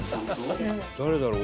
誰だろう？